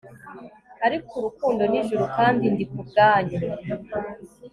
ariko urukundo nijuru kandi ndi kubwanyu